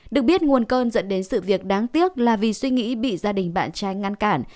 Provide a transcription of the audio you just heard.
được biết nguồn cơn dẫn đến sự việc đáng tiếc là vì suy nghĩ bị gia đình bạn trai ngăn cản